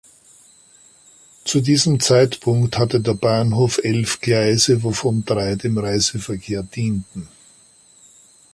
Zu diesem Zeitpunkt hatte der Bahnhof elf Gleise, wovon drei dem Reiseverkehr dienten.